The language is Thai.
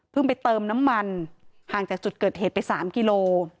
ไปเติมน้ำมันห่างจากจุดเกิดเหตุไป๓กิโล